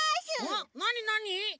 なになに？